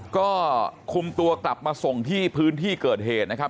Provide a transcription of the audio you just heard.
ก็คุมตัวกลับมาส่งที่พื้นที่เกิดเหตุนะครับ